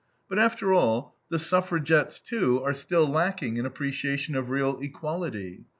But after all, the suffragettes, too, are still lacking in appreciation of real equality.